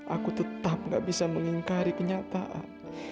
aku tetap gak bisa mengingkari kenyataan